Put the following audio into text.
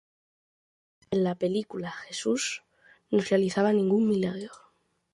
En la película, Jesús no realiza ningún milagro.